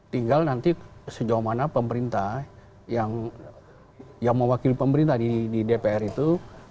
tinggal nanti sejauh mana pemerintah yang mewakili pemerintah di dpr itu